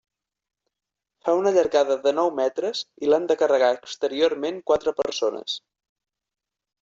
Fa una llargada de nou metres i l'han de carregar exteriorment quatre persones.